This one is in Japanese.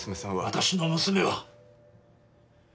私の娘は。